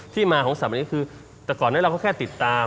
ที่มาของสัตว์อันนี้คือแต่ก่อนนั้นเราก็แค่ติดตาม